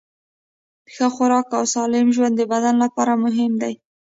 ښه خوراک او سالم ژوند د بدن لپاره مهم دي.